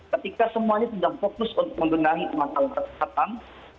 ketika semuanya sedang fokus untuk membenahi masalah kesehatan